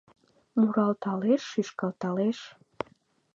Муралталеш, шӱшкалталеш